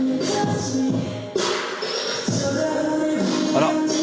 あら。